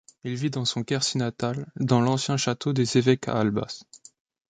Il vit dans son Quercy natal, dans l'ancien château des Évêques à Albas.